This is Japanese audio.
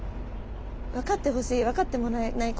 分かってほしい分かってもらえない